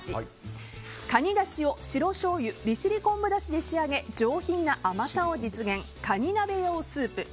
カニだしを白しょうゆ利尻昆布出しで仕上げ上品な甘さを実現かに鍋用スープ。